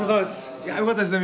いやよかったですね